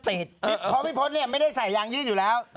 เพราะพี่พศไม่ได้ใส่ยางยืดอยู่แล้ว